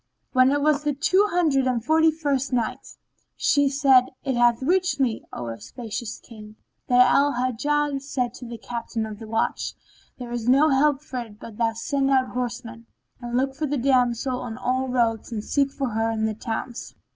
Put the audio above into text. When it was the Two Hundred and Forty First Night, She said, It hath reached me, O auspicious King, that Al Hajjaj said to the Captain of the Watch, "There is no help for it but thou send out horsemen, and look for the damsel on all the roads and seek for her in the towns."